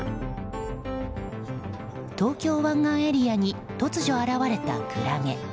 東京湾岸エリアに突如現れたクラゲ。